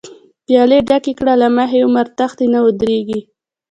پيالی ډکې کړه له مخی، عمر تښتی نه ودريږی